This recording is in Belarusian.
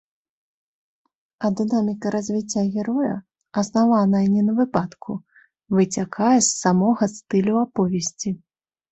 А дынаміка развіцця героя, аснаваная не на выпадку, выцякае з самога стылю аповесці.